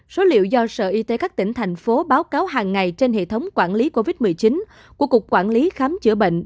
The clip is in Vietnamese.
số liệu do sở y tế các tỉnh thành phố báo cáo hàng ngày trên hệ thống quản lý covid một mươi chín của cục quản lý khám chữa bệnh